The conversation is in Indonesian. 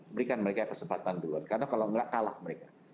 berikan mereka kesempatan duluan karena kalau nggak kalah mereka